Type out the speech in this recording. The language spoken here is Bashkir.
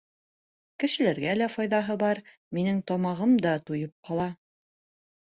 Кешеләргә лә файҙаһы бар, минең тамағым да туйып ҡала.